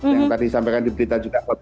yang tadi disampaikan di berita juga